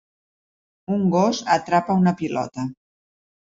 Un gos atrapa una pilota